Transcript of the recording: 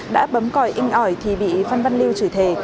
đã bấm còi inh ỏi thì bị phan văn lưu chửi thề